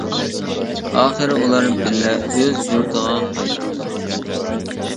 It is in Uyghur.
ئاخىرى ئۇلار بىللە ئۆز يۇرتىغا قايتىپتۇ.